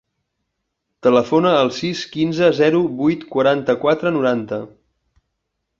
Telefona al sis, quinze, zero, vuit, quaranta-quatre, noranta.